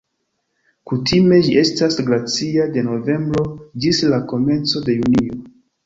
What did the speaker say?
Kutime ĝi estas glacia de novembro ĝis la komenco de junio.